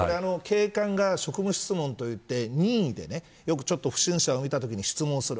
警官が職務質問といって任意で不審者を見たときに質問する。